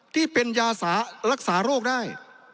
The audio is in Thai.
ที่เป็นยารักษาโรคได้